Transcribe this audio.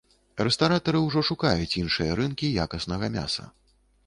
Рэстаратары ўжо шукаюць іншыя рынкі якаснага мяса.